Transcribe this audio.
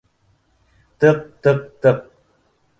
Тыҡ-тыҡ-тыҡ.